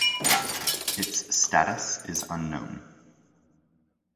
Its status is unknown.